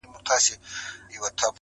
مګر وږی ولس وایې؛ له چارواکو مو ګیله ده.